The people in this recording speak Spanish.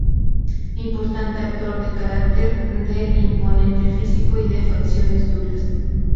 Importante actor de carácter, de imponente físico y de facciones duras.